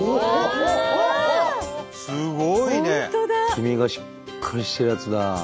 黄身がしっかりしてるやつだ。